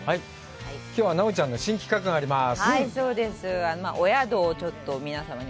きょうは奈緒ちゃんの新企画があります。